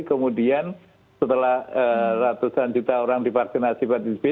kemudian setelah ratusan juta orang divaksinasi pada b